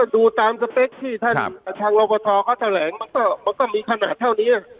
ดูตามสเปคที่ท่านทางรบทเขาแถลงมันก็มีขนาดเท่านี้